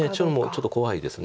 ちょっと怖いですこれ。